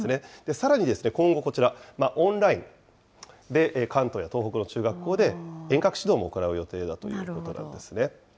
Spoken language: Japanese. さらに今後こちら、オンラインで関東や東北の中学校で遠隔指導も行う予定だということなんですね。